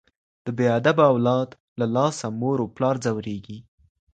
د بې ادبه اولاد له لاسه مور او پلار ځوریږي.